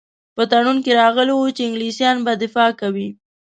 په تړون کې راغلي وو چې انګلیسیان به دفاع کوي.